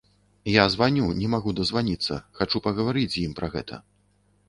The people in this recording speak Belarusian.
Я званю, не магу дазваніцца, хачу пагаварыць з ім пра гэта.